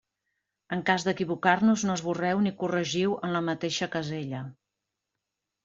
En cas d'equivocar-vos, no esborreu ni corregiu en la mateixa casella.